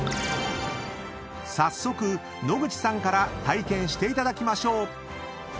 ［早速野口さんから体験していただきましょう］